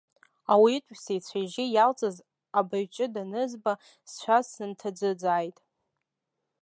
Ауаҩытәыҩса ицәа-ижьы иалҵыз абаҩ-ҷа анызба сцәа сынҭаӡыӡааит.